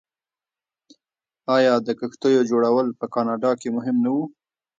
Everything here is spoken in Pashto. آیا د کښتیو جوړول په کاناډا کې مهم نه و؟